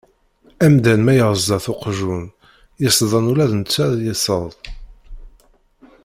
Amdan ma iɣeẓẓa-t uqjun yesḍen ula d netta ad yesseḍ.